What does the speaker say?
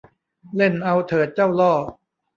เล่นเอาเถิดเจ้าล่อ